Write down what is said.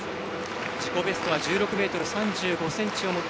自己ベストは１６ｍ３５ｃｍ。